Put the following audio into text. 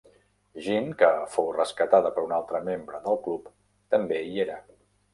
Gin, que fou rescatada per un altre membre del club, també hi era.